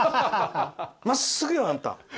まっすぐよ、あんた。